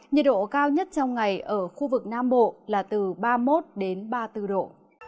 nhiệt độ cao nhất trong ngày ở khu vực nam bộ là từ ba mươi một ba mươi bốn độ